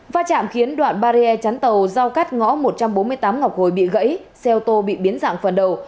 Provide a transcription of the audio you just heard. va chạm khiến đoạn barrier chắn tàu giao cắt ngõ một trăm bốn mươi tám ngọc hồi bị gãy xe ô tô bị biến dạng phần đầu